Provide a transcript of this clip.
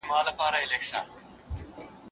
د څېړني لارې چارې باید دقیقې وټاکل سي.